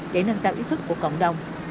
để nâng cao ý thức của cộng đồng